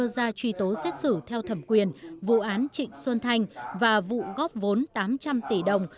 ra truy tố xét xử theo thẩm quyền vụ án trịnh xuân thanh và vụ góp vốn tám trăm linh tỷ đồng